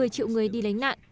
một mươi triệu người đi đánh nạn